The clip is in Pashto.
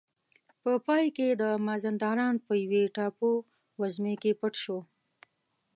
په پای کې د مازندران په یوې ټاپو وزمې کې پټ شو.